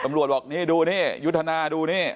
บอกนี่ดูนี่ยุทธนาดูนี่